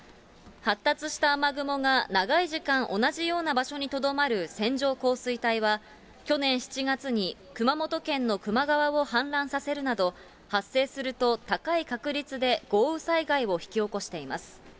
発達した雨雲が長い時間同じような場所にとどまる線状降水帯は、去年７月に熊本県の球磨川を氾濫させるなど、発生すると高い確率で豪雨災害を引き起こしています。